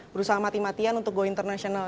berusaha mati matian untuk go international